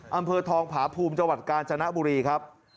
อำเภอทองผาภูมิจังหวัดกาญจนบุรีครับ